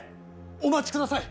お待ちください。